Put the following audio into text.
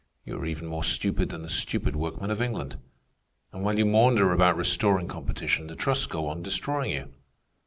You are even more stupid than the stupid workmen of England. And while you maunder about restoring competition, the trusts go on destroying you.